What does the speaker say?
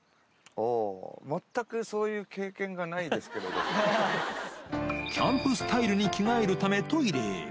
おー、全くそういう経験がなキャンプスタイルに着替えるため、トイレへ。